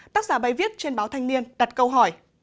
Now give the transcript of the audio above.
tác giả bài viết trên báo thanh niên đặt câu hỏi